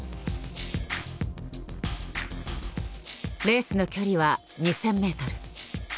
レースの距離は２，０００ｍ。